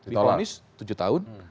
dihonis tujuh tahun